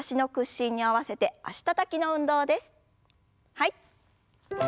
はい。